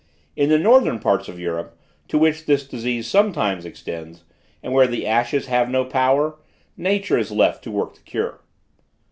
In the northern parts of Europe, to which this disease sometimes extends, and where the ashes have no power, nature is left to work the cure.